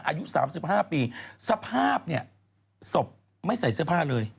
อายุสามสิบห้าปีสภาพเนี้ยศพไม่ใส่เสื้อผ้าเลย